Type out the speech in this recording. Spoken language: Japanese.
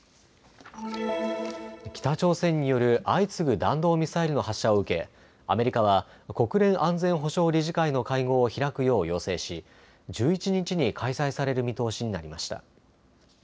北朝鮮による相次ぐ弾道ミサイルの発射を受けアメリカは国連安全保障理事会の会合を開くよう要請し、１１日に開催される見通しになりました。